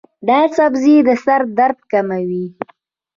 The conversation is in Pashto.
دا سبزی د سر درد کموي.